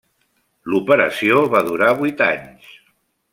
L'operació va durar vuit anys.